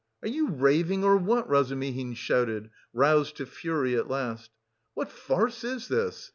"Are you raving, or what?" Razumihin shouted, roused to fury at last. "What farce is this?